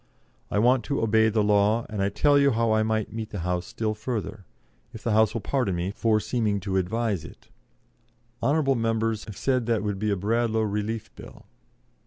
I want to obey the law, and I tell you how I might meet the House still further, if the House will pardon me for seeming to advise it. Hon. members have said that would be a Bradlaugh Relief Bill.